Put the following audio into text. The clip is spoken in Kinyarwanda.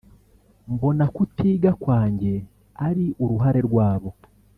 mbona kutiga kwanjye ari uruhare rwabo